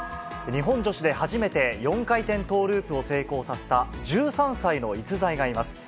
日本女子で初めて、４回転トーループを成功させた、１３歳の逸材がいます。